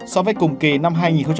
so với cùng kỳ năm hai nghìn hai mươi ba